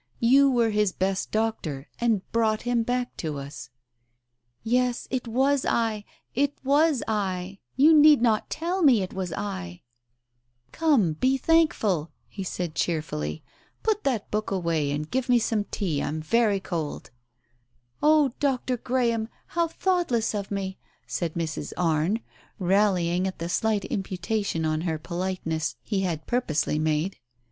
You were his best doctor, and brought him back to us." "Yes, it was I — it was I — you need not tell me it was I !" 1 2 Digitized by Google u6 TALES OF THE UNEASY "Come, be thankful !" he said cheerfully. "Put that book away, and give me some tea, I'm very cold." "Oh, Dr. Graham, how thoughtless of me!" said Mrs. Arne, rallying at the slight imputation on her politeness he had purposely made.